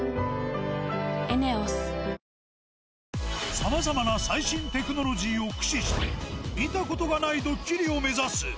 さまざまな最新テクノロジーを駆使して、見たことがないドッキリを目指す。